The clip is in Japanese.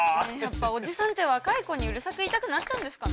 おじさんって若い子にうるさく言いたくなっちゃうんですかね？